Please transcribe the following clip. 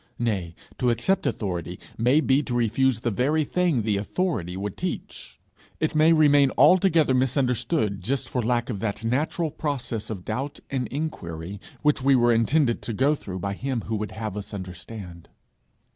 Nay, to accept authority may be to refuse the very thing the 'authority' would teach; it may remain altogether misunderstood just for lack of that natural process of doubt and inquiry, which we were intended to go through by him who would have us understand.